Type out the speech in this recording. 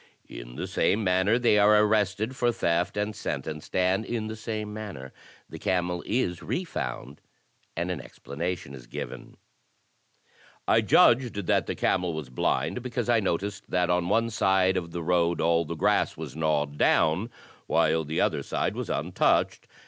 In the same manner they are arrested for theft and sentenced. And in the same manner the camel is refound and an explanation is given: *'I judged that the camel was blind because I noticed that on one side of the road all the grass was gnawed down, while the other side was untouched.